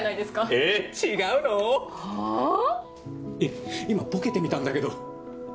えっ今ボケてみたんだけど。